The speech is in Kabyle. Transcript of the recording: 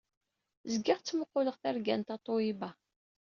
Zgiɣ ttmuquleɣ targa n Tatoeba.